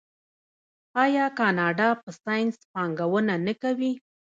آیا کاناډا په ساینس پانګونه نه کوي؟